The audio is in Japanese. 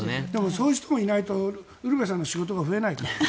そういう人もいないとウルヴェさんの仕事が増えないから。